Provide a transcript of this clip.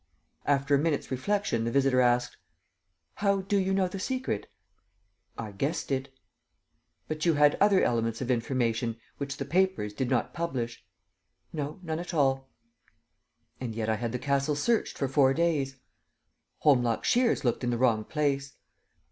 After a minute's reflection, the visitor asked: "How do you know the secret?" "I guessed it." "But you had other elements of information which the papers did not publish?" "No, none at all." "And yet I had the castle searched for four days." "Holmlock Shears looked in the wrong place."